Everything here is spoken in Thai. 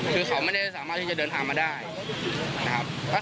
คือเขาไม่ได้สามารถที่จะเดินทางมาได้นะครับ